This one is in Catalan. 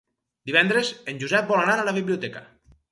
Divendres en Josep vol anar a la biblioteca.